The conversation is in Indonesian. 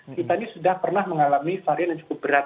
kita ini sudah pernah mengalami varian yang cukup berat